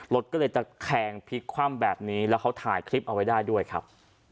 รถก็เลยตะแคงพลิกคว่ำแบบนี้แล้วเขาถ่ายคลิปเอาไว้ได้ด้วยครับ